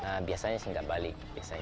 nah biasanya sih nggak balik